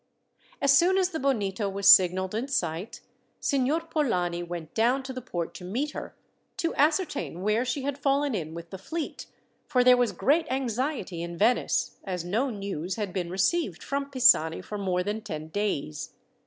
As soon as the Bonito was signalled in sight, Signor Polani went down to the port to meet her, to ascertain where she had fallen in with the fleet, for there was great anxiety in Venice, as no news had been received from Pisani for more than ten days.